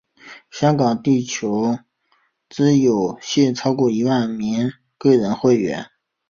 香港地球之友现有超过一万名个人会员。